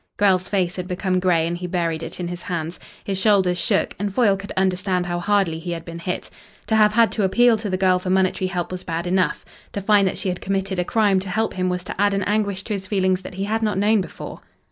Grell's face had become grey and he buried it in his hands. His shoulders shook and Foyle could understand how hardly he had been hit. To have had to appeal to the girl for monetary help was bad enough. To find that she had committed a crime to help him was to add an anguish to his feelings that he had not known before.